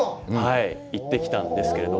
行ってきたんですけれども。